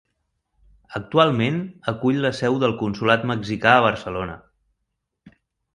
Actualment acull la seu del Consolat Mexicà a Barcelona.